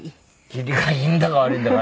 切りがいいんだか悪いんだか。